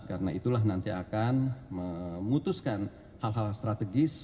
karena itulah nanti akan memutuskan hal hal strategis